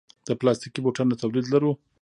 د پلاستیکي بوټانو تولید لرو؟